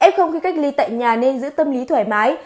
f không khi cách ly tại nhà nên giữ tâm lý thoải mái